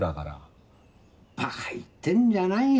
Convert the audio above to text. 馬鹿言ってんじゃないよ。